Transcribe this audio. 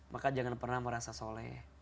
maka jangan pernah merasa soleh